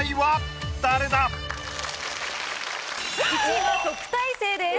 ⁉１位は特待生です。